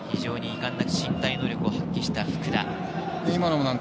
非常にいかなく身体能力を発揮した福田。